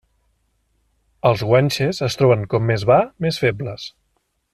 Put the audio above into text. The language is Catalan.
Els guanxes es troben com més va més febles.